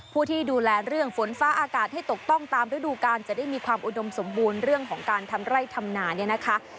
ผู้ที่ดูแลเรื่องฝนฟ้าอากาศให้ตกต้องตามฤดูการจะได้มีความอุดมสมบูรณ์เรื่องของการทำไร่ทำนาเนี่ยนะคะ